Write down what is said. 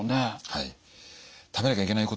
はい。